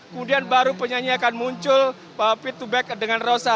kemudian baru penyanyi akan muncul pit to back dengan rosa